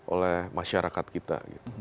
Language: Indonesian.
oleh masyarakat kita